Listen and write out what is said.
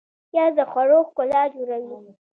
پیاز د خوړو ښکلا جوړوي